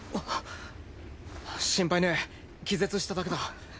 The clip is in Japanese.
心配ねえ気絶しただけだ。